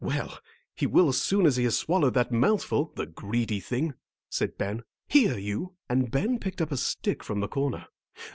"Well, he will as soon as he has swallowed that mouthful, the greedy thing," said Ben. "Here, you," and Ben picked up a stick from the corner.